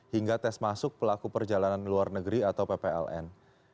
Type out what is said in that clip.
hingga tes masuk pelaku perjalanan luar negeri atau ppln